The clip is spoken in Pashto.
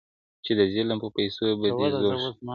چي د ظلم په پیسو به دي زړه ښاد وي؛